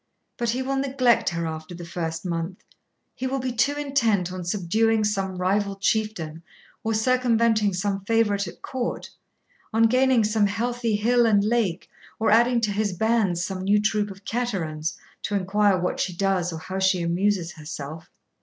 But he will neglect her after the first month; he will be too intent on subduing some rival chieftain or circumventing some favourite at court, on gaining some heathy hill and lake or adding to his bands some new troop of caterans, to inquire what she does, or how she amuses herself.